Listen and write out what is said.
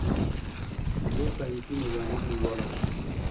زه سائنسي مضامين لولم